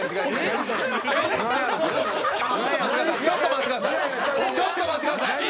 皆さんちょっと待ってください。